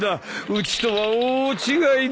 うちとは大違いだ。